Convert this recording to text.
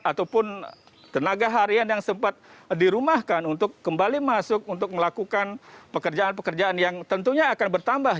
ataupun tenaga harian yang sempat dirumahkan untuk kembali masuk untuk melakukan pekerjaan pekerjaan yang tentunya akan bertambah